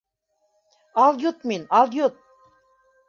Алйот мин, алйот...